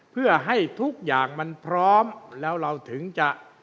เพื่อให้ทุกอย่างมันพร้อมแล้วเราถึงจะ